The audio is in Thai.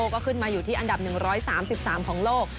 ก็ขึ้นมาอยู่ที่อันดับ๑๓๓ของโลก